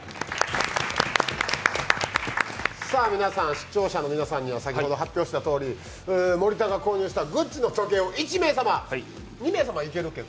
視聴者の皆さんには先ほど発表したとおり、森田が購入したグッチの時計を１名様２名様、いけるけど。